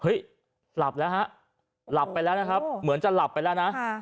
หลับแล้วฮะหลับไปแล้วนะครับเหมือนจะหลับไปแล้วนะ